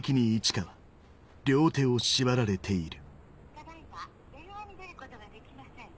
ただ今電話に出ることができません。